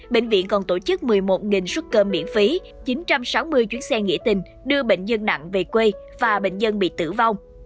bệnh viện còn tổ chức một mươi một suất cơm miễn phí chín trăm sáu mươi chuyến xe nghĩa tình đưa bệnh nhân nặng về quê và bệnh nhân bị tử vong